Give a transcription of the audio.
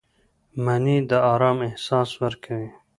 مني د آرام احساس ورکوي